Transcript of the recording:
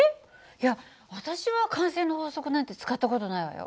いや私は慣性の法則なんて使った事ないわよ。